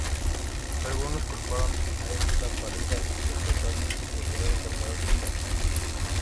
Algunos culparon a esta paliza de causar su posterior enfermedad mental.